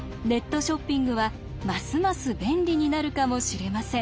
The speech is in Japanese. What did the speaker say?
ショッピングはますます便利になるかもしれません。